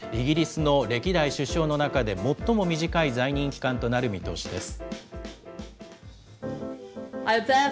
イギリスの歴代首相の中で最も短い在任期間となる見通しです。